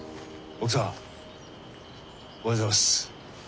奥さんおはようございます。